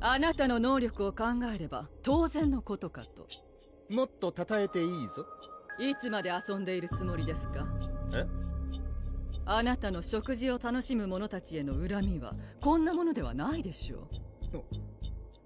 あなたの能力を考えれば当然のことかともっとたたえていいぞいつまで遊んでいるつもりですかへっ⁉あなたの食事を楽しむ者たちへのうらみはこんなものではないでしょう？